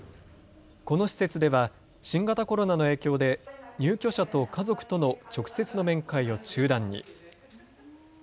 この施設では新型コロナの影響で入居者と家族との直接の面会を中断に。